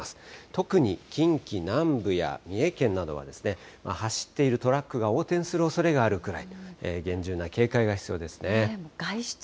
特に近畿南部や三重県などはですね、走っているトラックが横転するおそれがあるくらい、厳重な警戒が必要ですね。